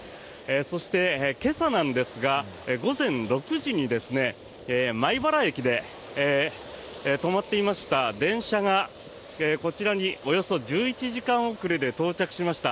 そして、今朝なんですが午前６時に米原駅で止まっていました電車がこちらにおよそ１１時間遅れで到着しました。